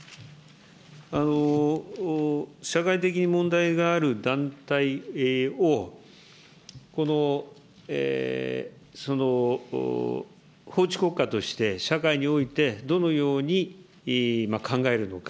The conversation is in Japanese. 社会的に問題がある団体を、法治国家として社会においてどのように考えるのか。